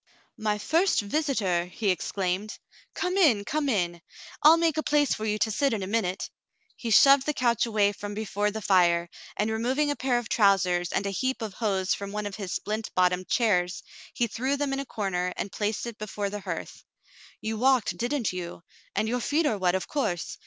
*'My first visitor !" he exclaimed. "Come in, come in. I'll make a place for you to sit in a minute." He shoved the couch away from before the fire, and removing a pair of trousers and a heap of hose from one of his splint bottomed chairs, he threw them in a corner and placed it before the hearth. "You walked, didn't you ? And your feet are wet, of course.